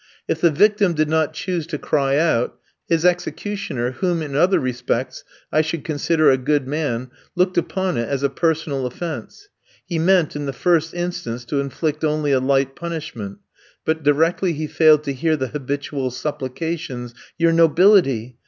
If the victim did not choose to cry out, his executioner, whom in other respects I should consider a good man, looked upon it as a personal offence; he meant, in the first instance, to inflict only a light punishment, but directly he failed to hear the habitual supplications, "Your nobility!"